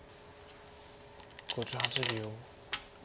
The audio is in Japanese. ５８秒。